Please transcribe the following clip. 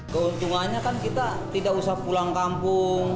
keuntungannya kan kita tidak usah pulang kampung